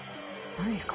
何ですか？